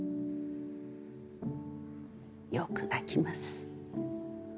よく泣きます。